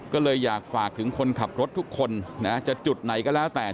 ก็เลยอยากฝากถึงคนขับรถทุกคนนะจะจุดไหนก็แล้วแต่